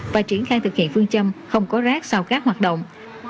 và triển khai thực hiện phương châm không có rác sau các hoạt động